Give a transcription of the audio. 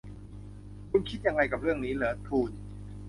คุณคิดยังไงกับเรื่องนี้หรอ ? ทูน